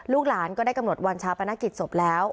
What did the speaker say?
ลูกหลานก็ได้กำหนดวันชาวประนักกิจศพแล้ว